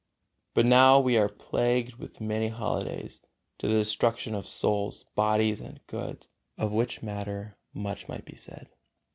But now we are plagued with many holidays, to the destruction of souls, bodies and goods; of which matter much might be said.